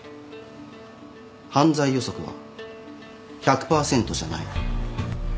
犯罪予測は１００％じゃない。